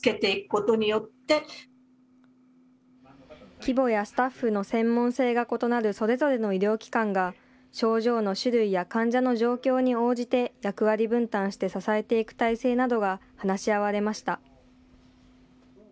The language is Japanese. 規模やスタッフの専門性が異なるそれぞれの医療機関が、症状の種類や患者の状況に応じて、役割分担して支えていく体制などが話し合われました。